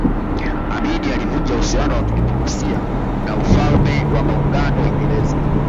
Amin alivunja uhusiano wa kidiplomasia na Ufalme wa Maungano Uingereza